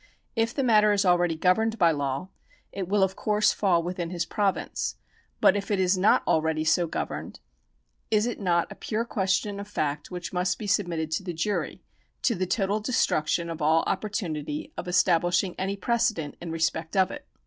If the matter is aheady governed by law, it will of course fall within his province; but if it is not already so governed, is it not a pure question of fact which must be submitted to the jury, to the total destruction of all oppor tunity of establishing any precedent in respect of it